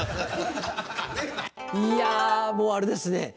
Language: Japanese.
いやもうあれですね